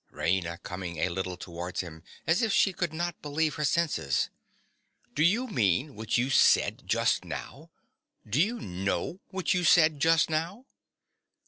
RAINA. (coming a little towards him, as if she could not believe her senses). Do you mean what you said just now? Do you know what you said just now?